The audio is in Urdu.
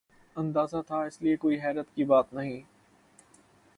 اندازہ تھا ، اس لئے کوئی حیرت کی بات نہیں ۔